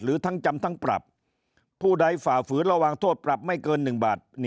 หรือทั้งจำทั้งปรับผู้ใดฝ่าฝืนระหว่างโทษปรับไม่เกิน๑บาท